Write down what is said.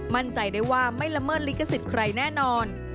มั่นใจได้ว่าไม่ละเมิดลิขสิทธิ์ใครแน่นอน